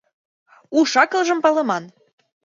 Уш-акылжым палыман.